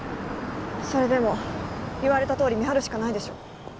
それでも言われたとおり見張るしかないでしょ